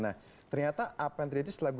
nah ternyata apa yang terjadi selama itu